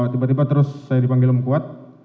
tiba tiba terus saya dipanggil kuat